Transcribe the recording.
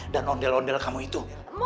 yang model model kamu itu